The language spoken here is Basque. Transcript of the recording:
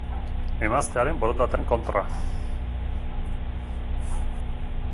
Emaztearen borondatearen kontra.